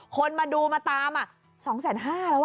คนมาดูมาตาม๒๕๐๐มาทำแล้ว